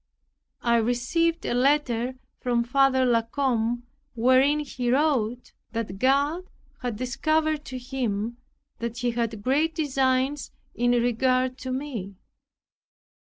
I received a letter from Father La Combe, wherein he wrote that God had discovered to him that he had great designs in regard to me.